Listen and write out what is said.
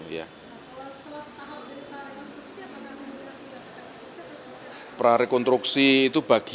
kalau setelah tahap dari prarekonstruksi apakah segera kita kembali lagi